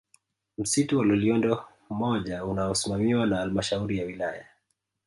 Msitu wa Loliondo moja unaosimamiwa na Halmashauri ya Wilaya